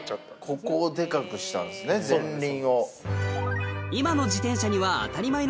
ここをデカくしたんですね前輪。